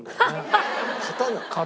刀？